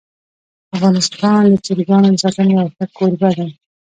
افغانستان د چرګانو د ساتنې یو ښه کوربه دی.